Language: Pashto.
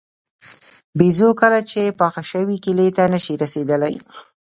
بېزو کله چې پاخه شوي کیلې ته نه شي رسېدلی.